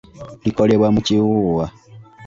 Likolebwa mu kiwuuwa.